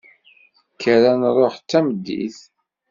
Kker ad nṛuḥ d tameddit.